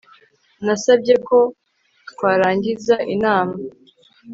Nasabye ko twarangiza inama